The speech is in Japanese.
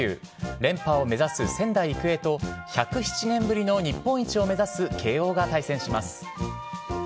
連覇を目指す仙台育英と、１０７年ぶりの日本一を目指す慶応が対戦します。